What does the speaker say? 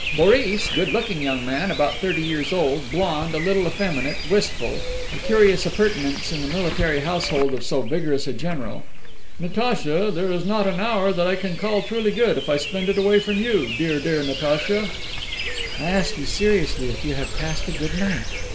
Boris (good looking young man, about thirty years old, blonde, a little effeminate, wistful. A curious appurtenance in the military household of so vigorous a general). "Natacha, there is not an hour that I can call truly good if I spend it away from you, dear, dear Natacha." "I ask you seriously if you have passed a good night?"